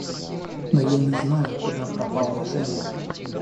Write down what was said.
– Но я не знаю, куда пропала Женя.